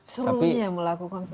serunya melakukan sesuatu